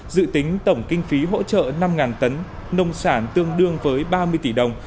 dự tính tổng kinh phí hỗ trợ năm tấn nông sản tương đương với ba mươi tỷ đồng